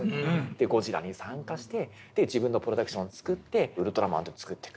で「ゴジラ」に参加して自分のプロダクションを作って「ウルトラマン」というのを作ってく。